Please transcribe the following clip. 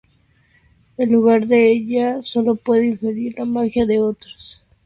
En lugar de eso ella solo puede interferir la magia de otros.